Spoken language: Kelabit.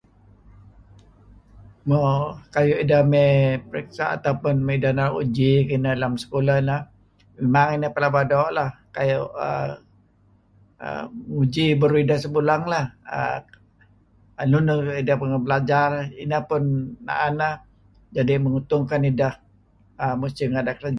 Mo kayu' ideh mey periksa' atau pun idah naru' uji kineh lem sekulah neh. idah pelaba doo' lah, kayu err nguji burur ideh sebulang lah aah. Enun ideh pengah belajar inah pun na'an neh jadi' menguntungkan ideh musih renga' ideh kerja.